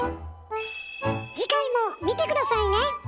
次回も見て下さいね！